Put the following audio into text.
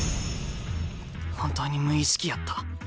本当に無意識やった。